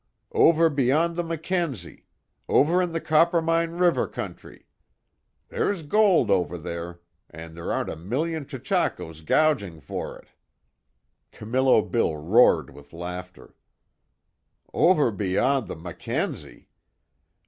"Over beyond the Mackenzie. Over in the Coppermine River country. There's gold over there, and there aren't a million chechakos gouging for it." Camillo Bill roared with laughter: "Over beyond the Mackenzie!